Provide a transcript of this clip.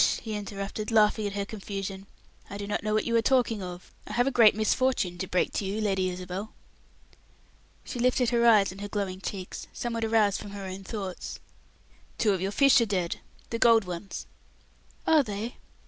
he interrupted, laughing at her confusion. "I do not know what you are talking of. I have a great misfortune to break to you, Lady Isabel." She lifted her eyes and her glowing cheeks, somewhat aroused from her own thoughts. "Two of your fish are dead. The gold ones." "Are they?"